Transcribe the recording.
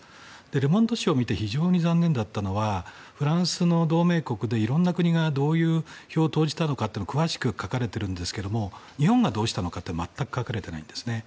ル・モンド紙を見て非常に残念だったのはフランスの同盟国でいろんな国がどういう票を投じたのかが詳しく書かれているんですが日本がどうしたのかは全く書かれてないんですね。